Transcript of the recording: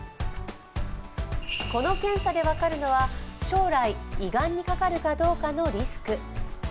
この検査で分かるのは将来胃がんにかかるかどうかのリスク。